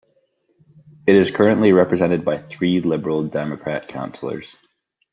It is currently represented by three Liberal Democrat councillors.